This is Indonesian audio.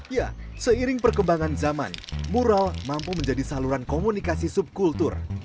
ya seiring perkembangan zaman mural mampu menjadi saluran komunikasi subkultur